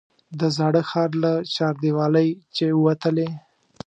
د زاړه ښار له چاردیوالۍ چې ووتلې.